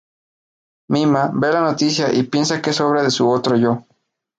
Mima ve la noticia y piensa que es obra de su otro yo.